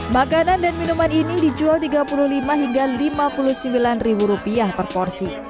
makanan dan minuman ini dijual tiga puluh lima hingga lima puluh sembilan ribu rupiah per porsi